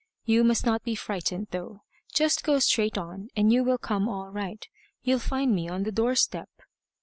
You must not be frightened though. Just go straight on, and you will come all right. You'll find me on the doorstep."